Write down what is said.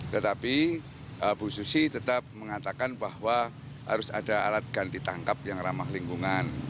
tetapi bu susi tetap mengatakan bahwa harus ada alat ganti tangkap yang ramah lingkungan